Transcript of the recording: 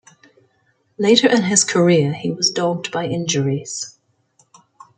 Later in his career he was dogged by injuries.